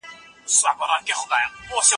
کېدای سي موبایل خراب وي.